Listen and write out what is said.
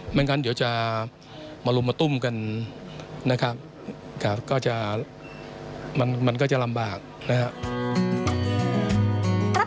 ไม่งั้นเดี๋ยวจะมารุมมาตุ้มกันนะครับก็จะมันก็จะลำบากนะครับ